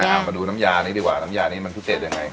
เอามาดูน้ำยานี้ดีกว่าน้ำยานี้มันพิเศษยังไง